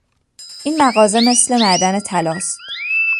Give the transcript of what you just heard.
این مغازه مثل معدن طلاست.